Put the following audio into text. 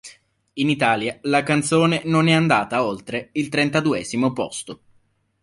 In Italia la canzone non è andata oltre il trentaduesimo posto.